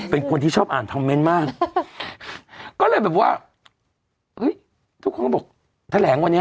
เป็นคนที่ชอบอ่านคอมเมนต์มากก็เลยแบบว่าเฮ้ยทุกคนก็บอกแถลงวันนี้